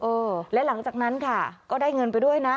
และหลังจากนั้นค่ะก็ได้เงินไปด้วยนะ